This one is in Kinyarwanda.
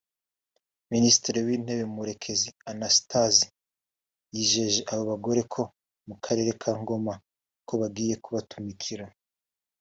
Minisitiri w’intebe Murekezi Anastase yijeje aba bagore bo mu Karere ka Ngoma ko agiye kubatumikira